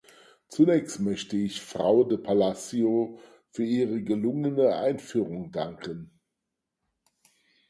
Zunächst möchte ich Frau de Palacio für ihre gelungene Einführung danken.